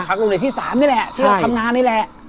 โรงเรียนที่๓นี่แหละที่เราทำงานนี่แหละ